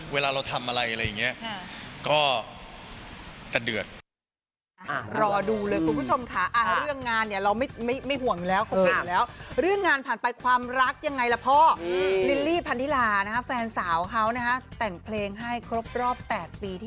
เวลาเราทำอะไรอะไรอย่างเงี้ย